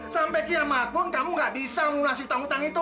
sampai kiamat pun kamu gak bisa mengulas utang utang itu